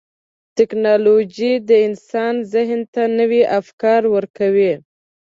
ټکنالوجي د انسان ذهن ته نوي افکار ورکوي.